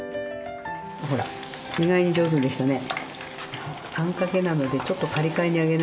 ほら意外に上手にできたね。